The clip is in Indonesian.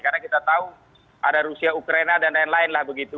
karena kita tahu ada rusia ukraina dan lain lain lah begitu